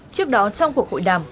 trước đó trong cuộc hội đàm